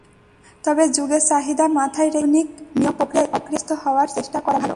তবে যুগের চাহিদা মাথায় রেখেই আধুনিক নিয়োগ-প্রক্রিয়ায় অভ্যস্ত হওয়ার চেষ্টা করা ভালো।